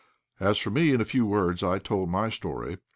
As for me, in a few words I told my story.